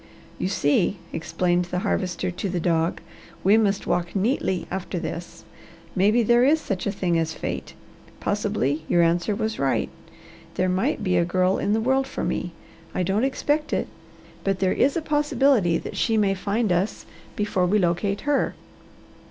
"You see," explained the Harvester to the dog, "we must walk neatly after this. Maybe there is such a thing as fate. Possibly your answer was right. There might be a girl in the world for me. I don't expect it, but there is a possibility that she may find us before we locate her.